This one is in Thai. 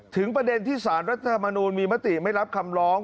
ประเด็นที่สารรัฐธรรมนูลมีมติไม่รับคำร้อง